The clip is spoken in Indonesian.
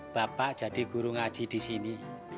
bapak jadi guru ngaji disini